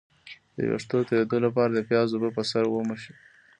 د ویښتو تویدو لپاره د پیاز اوبه په سر ومښئ